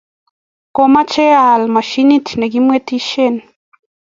kamoche aal mashinit nekemwetishen.